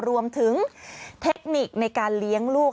รวมถึงเทคนิคในการเลี้ยงลูก